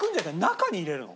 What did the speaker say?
中に入れるの？